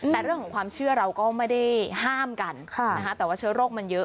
แต่เรื่องของความเชื่อเราก็ไม่ได้ห้ามกันแต่ว่าเชื้อโรคมันเยอะ